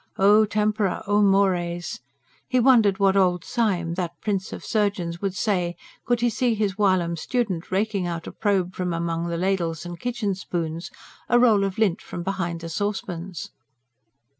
O TEMPORA, O MORES! He wondered what old Syme, that prince of surgeons, would say, could he see his whilom student raking out a probe from among the ladles and kitchen spoons, a roll of lint from behind the saucepans.